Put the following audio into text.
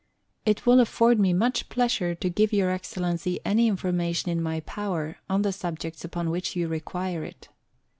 It will afford me much pleasure to give Your Excellency any information in my power on the subjects upon which you require it.